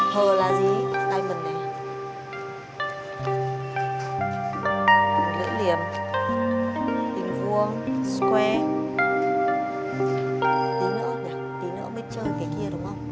nữ điểm tình vuông square tí nữa mới chơi cái kia đúng không